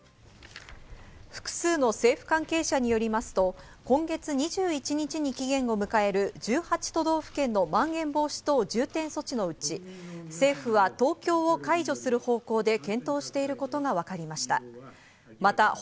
複数の政府関係者によりますと、今月２１日に期限を迎える１８都道府県のまん延防止等重点措置のうち政府は東京を解除する方向で検討していることがわかりました。